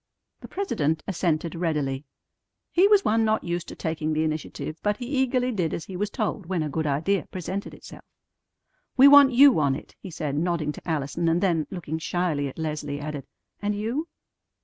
The president assented readily. He was one not used to taking the initiative, but he eagerly did as he was told when a good idea presented itself. "We want you on it," he said, nodding to Allison and then, looking shyly at Leslie, added, "And you?"